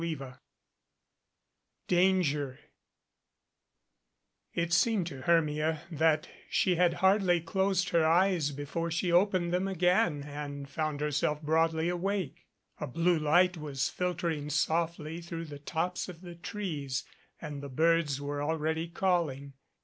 CHAPTER XV DANGER IT seemed to Hermia that she had hardly closed her eyes before she opened them again and found herself broadly awake. A blue light was filtering softly through the tops of the trees and the birds were already calling.